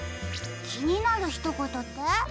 きになるひとことって？